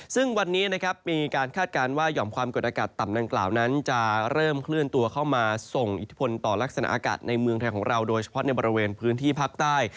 ซึ่งวันนี้นะครับมีการคาดการณ์ว่าหย่อมความกดอากาศต่ำดังกล่าวนั้นจะเริ่มเคลื่อนตัวเข้ามาส่งอิทธิพลต่อลักษณะอากาศในเมืองไทยของเราโดยเฉพาะในบริเวณพื้นที่ภาคใต้